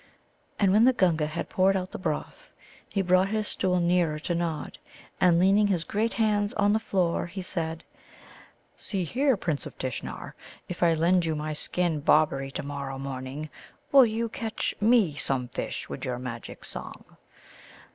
And when the Gunga had poured out the broth, he brought his stool nearer to Nod, and, leaning his great hands on the floor, he said: "See here, Prince of Tishnar, if I lend you my skin Bobberie to morrow morning, will you catch me some fish with your magic song?"